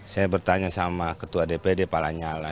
saya bertanya sama ketua dpd pak lanyala